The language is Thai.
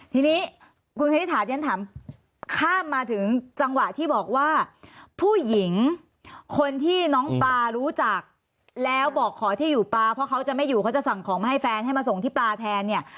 ทีนี้คุณคณิตถาฉันถามข้ามมาถึงจังหวะที่บอกว่าผู้หญิงคนที่น้องปลารู้จักแล้วบอกขอที่อยู่ปลาเพราะเขาจะไม่อยู่เขาจะสั่งของมาให้แฟนให้มาส่งที่ปลาแทนเนี่ย